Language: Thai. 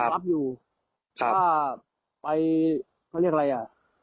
รับรับอยู่หรืออ่าไปเขาเรียกอะไรอ่ะ